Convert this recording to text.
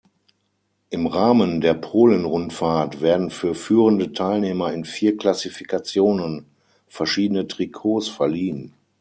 Im Rahmen der Polen-Rundfahrt werden für führende Teilnehmer in vier Klassifikationen verschiedene Trikots verliehen.